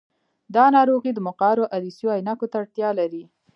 دا ناروغي د مقعرو عدسیو عینکو ته اړتیا لري.